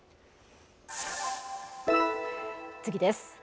次です。